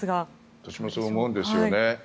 私もそう思うんですよね。